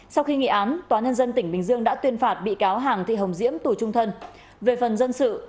sau khi nghị án tòa nhân dân tỉnh bình dương đã tuyên phạt bị cáo hàng thị hồng diễm tù trung thân